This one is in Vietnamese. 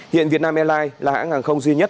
hiện việt nam airlines là hãng hàng không duy nhất